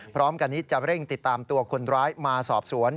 พร้อมกันนี้จะเร่งติดตามตัวคนร้ายมาสอบสวน